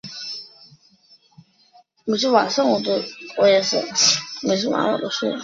清朝兴中会人物。